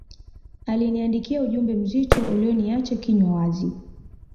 aliniandikia ujumbe mzito uliyoniacha kinywa wazi